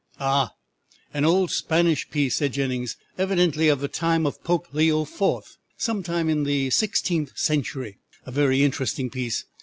"Ah! an old Spanish piece," said Jennings, "evidently of the time of Pope Leo Fourth, sometime in the sixteenth century. A very interesting piece.